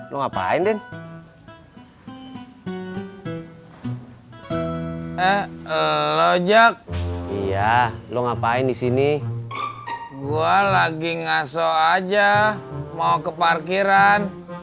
lu ngapain din eh lo jack iya lu ngapain di sini gua lagi ngasok aja mau ke parkiran